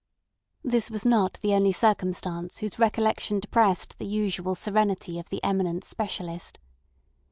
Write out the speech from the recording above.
This was not the only circumstance whose recollection depressed the usual serenity of the eminent specialist.